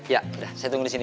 ya udah saya tunggu di sini